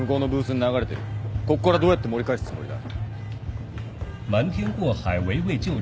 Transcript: こっからどうやって盛り返すつもりだ。